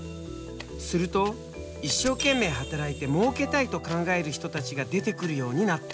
すると一生懸命働いてもうけたいと考える人たちが出てくるようになった。